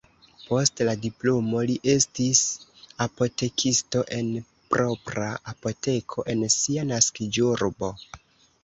Post la diplomo li estis apotekisto en propra apoteko en sia naskiĝurbo.